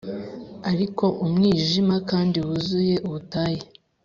ariko umwijima kandi wuzuye ubutayu